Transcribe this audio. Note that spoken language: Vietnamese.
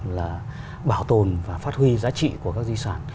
là bảo tồn và phát huy giá trị của các di sản